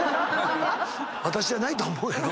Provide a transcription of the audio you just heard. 「私じゃないと思う」やろ。